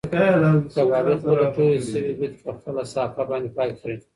کبابي خپلې تورې شوې ګوتې په خپله صافه باندې پاکې کړې.